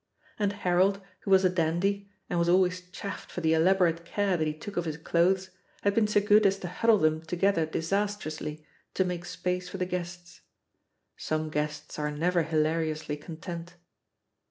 And Harold, who was a dandy, and was al ways chaffed for the elaborate care that he took of his clothes, had been so good as to huddle them together disastrously, to make space for the guest's. Some guests are never hilariously con tent.